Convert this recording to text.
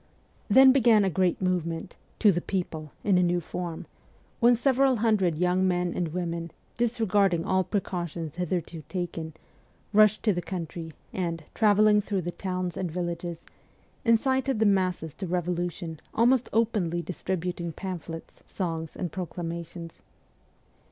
Then began a great movement ' to the people ' in a new form, when several hundred young men and women, dis regarding all precautions hitherto taken, rushed to the country, and, travelling through the towns and villages, incited the masses to revolution, almost openly distri buting pamphlets, songs, and proclamations.